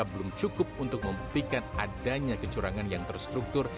belum cukup untuk membuktikan adanya kecurangan yang terstruktur